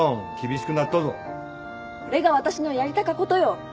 これが私のやりたかことよ。